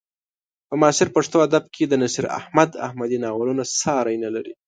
په معاصر پښتو ادب کې د نصیر احمد احمدي ناولونه ساری نه لري.